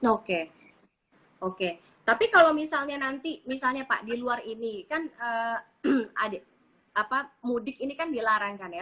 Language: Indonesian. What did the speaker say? oke oke tapi kalau misalnya nanti misalnya pak di luar ini kan mudik ini kan dilarangkan ya